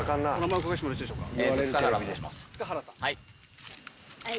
お伺いしてもよろしいでしょうか？